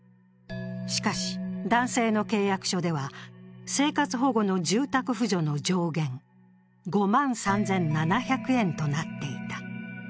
しかし、男性の契約書では生活保護の住宅扶助の上限５万３７００円となっていた。